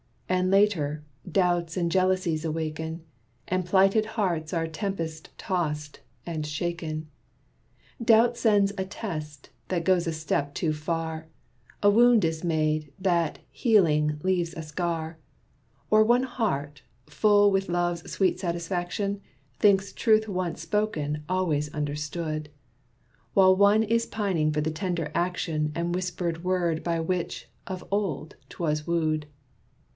And later, doubts and jealousies awaken. And plighted hearts are tempest tossed, and shaken. Doubt sends a test, that goes a step too far, A wound is made, that, healing, leaves a scar, Or one heart, full with love's sweet satisfaction, Thinks truth once spoken always understood, While one is pining for the tender action And whispered word by which, of old, 'twas wooed.